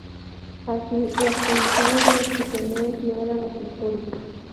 Así, las condiciones de los prisioneros no eran las mejores.